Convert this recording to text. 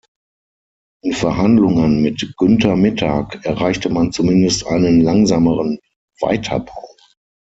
In Verhandlungen mit Günter Mittag erreichte man zumindest einen langsameren Weiterbau.